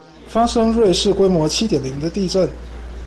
發生苪氏規模七點零的地震